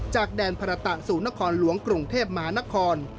จากแดนภาระตะสู่นครหลวงกรุงเทพมหานคร